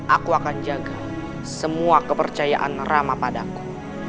aku akan jaga semua kepercayaan rama padaku